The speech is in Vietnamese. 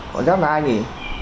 cô tìm giáp là ai nhỉ